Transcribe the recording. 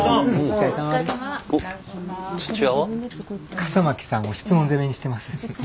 笠巻さんを質問攻めにしてます。